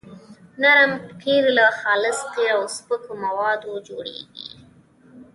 نرم قیر له خالص قیر او سپکو موادو جوړیږي